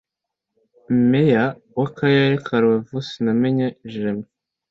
Meya w’Akarere ka Rubavu Sinamenye Jeremie